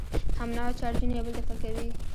همنوع چارجونه یو بل دفع کوي.